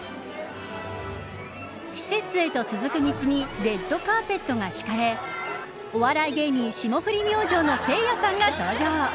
施設へと続く道にレッドカーペットが敷かれお笑い芸人、霜降り明星のせいやさんが登場。